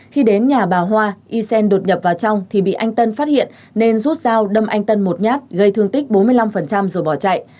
khi đến nhà bà hoa y xen đột nhập vào trong thì bị anh tân phát hiện nên rút dao đâm anh tân một nhát gây thương tích bốn mươi năm rồi bỏ chạy